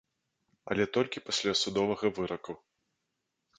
Але толькі пасля судовага выраку.